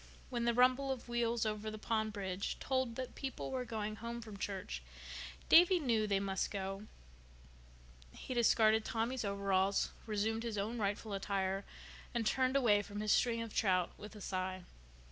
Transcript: When the rumble of wheels over the pond bridge told that people were going home from church Davy knew they must go. He discarded Tommy's overalls, resumed his own rightful attire, and turned away from his string of trout with a sigh.